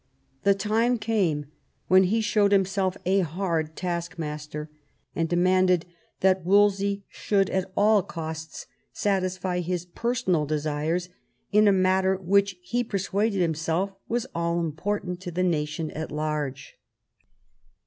The time came when he showed himself a hard taskmaster, and demanded that Wolsey should at all costs satisfy his personal desires in a matter which he persuaded himself was all important to the nation at large.